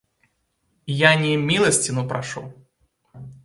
Я не міласціну прашу!